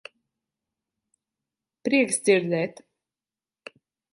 Prieks dzirdēt.